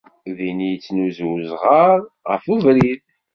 Din i yettnuzu usɣar ɣef ubrid.